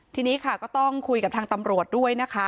ทีนี้ค่ะก็ต้องคุยกับทางตำรวจด้วยนะคะ